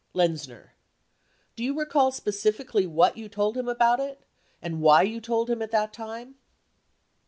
Lenzner. Do you recall specifically what you told him about it ? And why you told him at that time